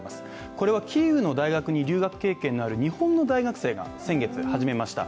これはキーウの大学に留学経験のある日本の留学生が先月始めました。